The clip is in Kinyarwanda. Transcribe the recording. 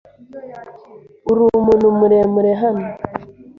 Uri umuntu muremure hano.